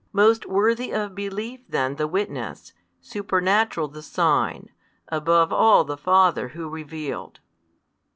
Most worthy of belief then the witness, supernatural the sign, above all the Father Who revealed.